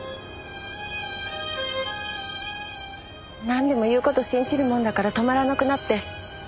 なんでも言う事信じるもんだから止まらなくなって。